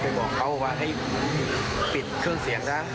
ผมไปบอกเขาว่าให้ปิดเครื่องเสียงจันทร์